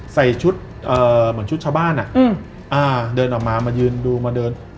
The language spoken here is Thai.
ใส่ชุดเหมือนชุดชาวบ้านโดดออกมามายืนดูมาเดิน